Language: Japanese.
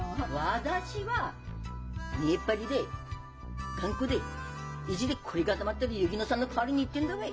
私は見えっ張りで頑固で意地で凝り固まってる薫乃さんの代わりに言ってんだわい。